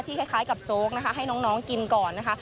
คล้ายกับโจ๊กนะคะให้น้องกินก่อนนะคะ